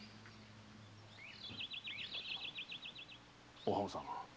お浜さん。